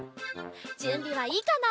じゅんびはいいかな？